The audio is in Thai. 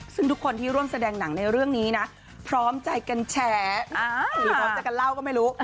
ซึ่งทุกคนที่ร่วมแสดงหนังในเรื่องนี้นะพร้อมใจกันแชร์หรือพร้อมใจกันเล่าก็ไม่รู้